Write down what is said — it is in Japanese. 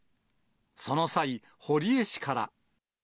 その際、堀江氏から。